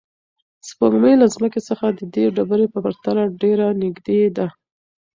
سپوږمۍ له ځمکې څخه د دې ډبرې په پرتله ډېره نږدې ده.